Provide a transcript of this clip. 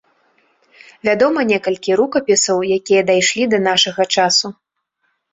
Вядома некалькі рукапісаў, якія дайшлі да нашага часу.